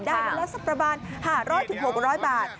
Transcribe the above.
ได้ละสัปดาห์บ้าน๕๐๐๖๐๐บาท